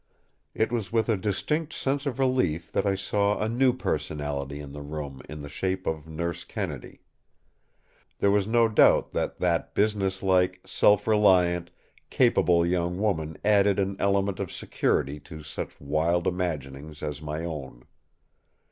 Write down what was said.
It was with a distinct sense of relief that I saw a new personality in the room in the shape of Nurse Kennedy. There was no doubt that that business like, self reliant, capable young woman added an element of security to such wild imaginings as my own.